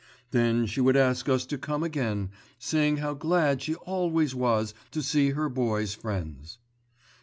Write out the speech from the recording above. Then she would ask us to come again, saying how glad she always was to see her boy's friends.